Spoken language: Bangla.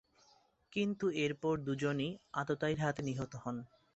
কিন্তু এরপর দুজনেই আততায়ীর হাতে নিহত হন।